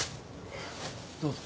どうぞ。